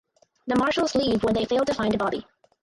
The Marshals leave when they fail to find Bobby.